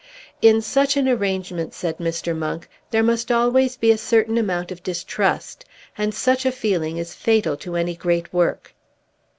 "In such an arrangement," said Mr. Monk, "there must always be a certain amount of distrust, and such a feeling is fatal to any great work."